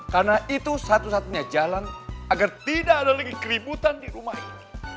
karena itu satu satunya jalan agar tidak ada lagi keributan di rumah ini